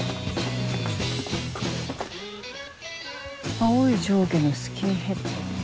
青い上下のスキンヘッド。